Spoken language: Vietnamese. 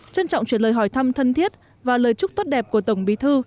trân trọng chuyển lời hỏi thăm thân thiết và lời chúc tốt đẹp của tổng bí thư